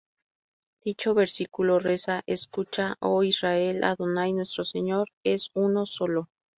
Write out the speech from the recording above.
Dicho versículo reza: “Escucha, Oh Israel: Adonai, Nuestro Señor, es Uno solo".